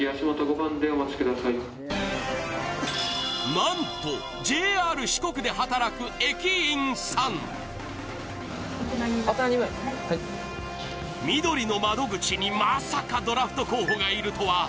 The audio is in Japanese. なんと、ＪＲ四国で働く駅員さんみどりの窓口に、まさかドラフト候補がいるとは。